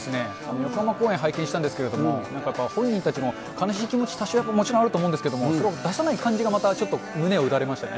横浜公演拝見したんですけれども、なんかやっぱり本人たちも、悲しい気持ち、多少やっぱりもちろんあると思うんですけれども、それを出さない感じがまたちょっと胸を打たれましたね。